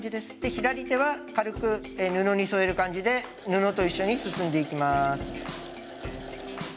左手は軽く布に添える感じで布と一緒に進んでいきます。